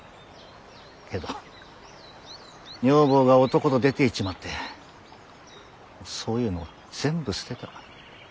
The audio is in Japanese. けど女房が男と出ていっちまってそういうの全部捨てた。